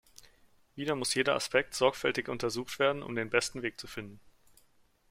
Wieder muss jeder Aspekt sorgfältig untersucht werden, um den besten Weg zu finden.